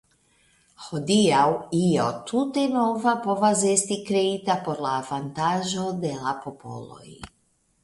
Hodiaŭ io tute nova povas esti kreita por la avantaĝo de la popoloj.